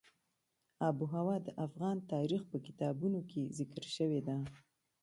آب وهوا د افغان تاریخ په کتابونو کې ذکر شوې ده.